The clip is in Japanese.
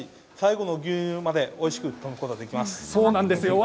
最後の牛乳までおいしく飲むことができます。